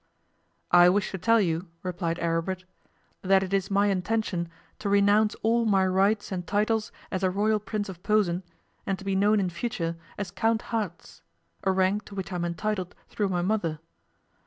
'I wish to tell you,' replied Aribert, 'that it is my intention to renounce all my rights and titles as a Royal Prince of Posen, and to be known in future as Count Hartz a rank to which I am entitled through my mother.